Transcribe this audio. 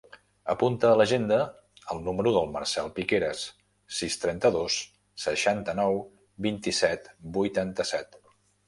Apunta a l'agenda el número del Marcel Piqueras: sis, trenta-dos, seixanta-nou, vint-i-set, vuitanta-set.